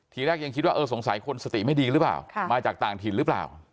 ทีแรกยังคิดว่าเออสงสัยคนสติไม่ดีหรือเปล่ามาจากต่างถิ่นหรือเปล่า